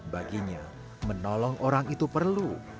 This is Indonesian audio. baginya menolong orang itu perlu